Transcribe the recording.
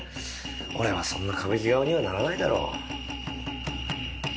俺はそんな歌舞伎顔にはならないだろう。